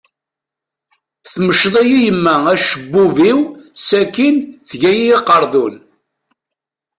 Temceḍ-iyi yemma acebbub-iw, sakin tegga-iyi aqardun.